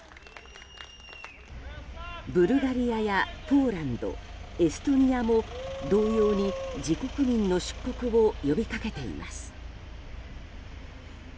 ブルガリアやポーランドエストニアも同様に自国民の出国を呼びかけています。